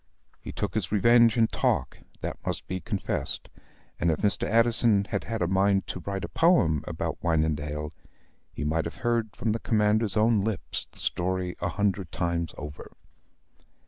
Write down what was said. He took his revenge in talk, that must be confessed; and if Mr. Addison had had a mind to write a poem about Wynendael, he might have heard from the commander's own lips the story a hundred times over.